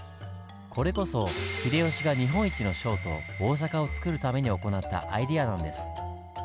これこそ秀吉が日本一の商都大阪をつくるために行ったアイデアなんです。